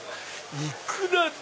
いくら丼！